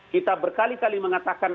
kita berkali kali mengatakan